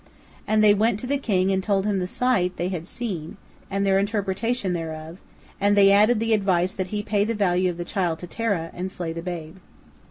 And they went to the king and told him the sight they had seen, and their interpretation thereof, and they added the advice that he pay the value of the child to Terah, and slay the babe.